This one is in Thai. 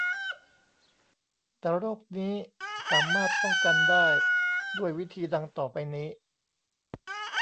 แต่โรคนี้สามารถป้องกันได้ด้วยวิธีดังต่อไปนี้